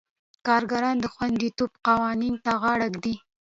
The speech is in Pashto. کارګران د خوندیتوب قوانینو ته غاړه ږدي.